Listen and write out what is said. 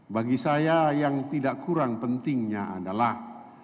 bagi saya yang tidak kurang pentingnya adalah